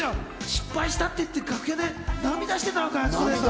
失敗したって言って楽屋で涙してたのかい？